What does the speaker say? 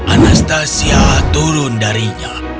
anastasia turun darinya